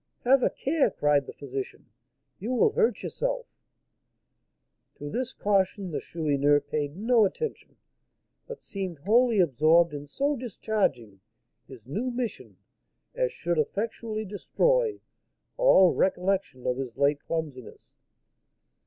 "Have a care!" cried the physician. "You will hurt yourself!" To this caution the Chourineur paid no attention, but seemed wholly absorbed in so discharging his new mission as should effectually destroy all recollection of his late clumsiness.